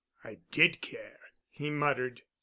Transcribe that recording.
"I did care," he muttered.